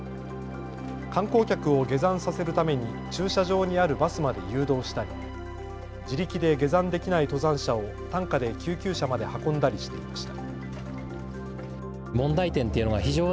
観光客を下山させるために駐車場にあるバスまで誘導したり自力で下山できない登山者を担架で救急車まで運んだりしていました。